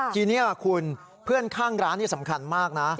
ทีนี้คุณเพื่อนข้างร้านนี่สำคัญมากนะ